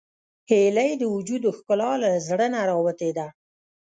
هیلۍ د وجود ښکلا له زړه نه راوتې ده